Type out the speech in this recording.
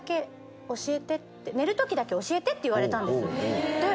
「寝る時だけ教えて」って言われたんです。